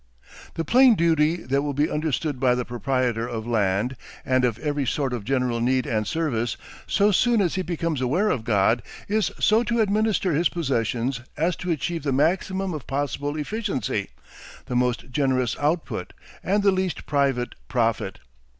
The plain duty that will be understood by the proprietor of land and of every sort of general need and service, so soon as he becomes aware of God, is so to administer his possessions as to achieve the maximum of possible efficiency, the most generous output, and the least private profit.